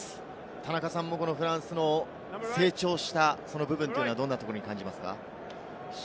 田中さんもフランスの成長した部分というのはどんなところに感じますか？